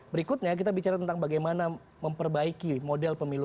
berikutnya kita bicara tentang bagaimana memperbaiki model pemilu